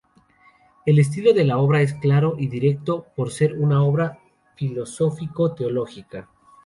El estilo de la obra es claro y directo, por ser una obra filosófico-teológica.